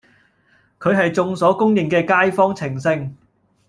佢係眾所公認嘅街坊情聖